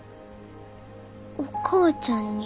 お母ちゃんに。